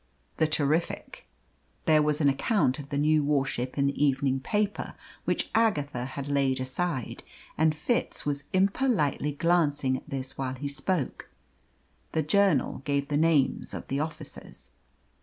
"The Terrific." There was an account of the new war ship in the evening paper which Agatha had laid aside, and Fitz was impolitely glancing at this while he spoke. The journal gave the names of the officers.